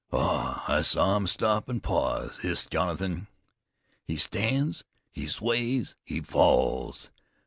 "Ah! I saw him stop an' pause," hissed Jonathan. "He stands, he sways, he falls!